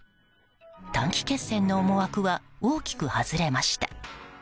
短期決戦の思惑は大きく外れました。